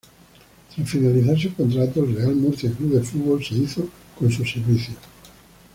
Tras finalizar su contrato, el Real Murcia C. F. se hizo con sus servicios.